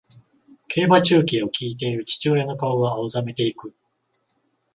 競馬中継を聞いている父親の顔が青ざめていく